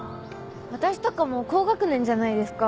私とかもう高学年じゃないですか。